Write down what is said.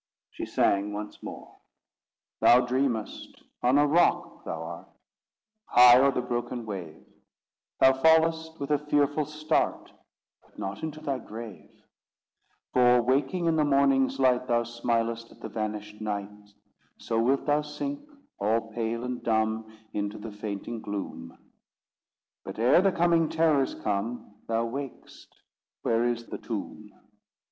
She sang once more: Thou dreamest: on a rock thou art, High o'er the broken wave; Thou fallest with a fearful start But not into thy grave; For, waking in the morning's light, Thou smilest at the vanished night So wilt thou sink, all pale and dumb, Into the fainting gloom; But ere the coming terrors come, Thou wak'st—where is the tomb?